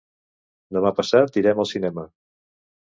Demà passat irem al cinema.